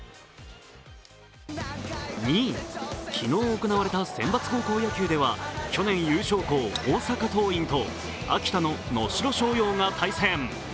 ２位、昨日行われた選抜高校野球では去年優勝校、大阪桐蔭と秋田の能代松陽が対戦。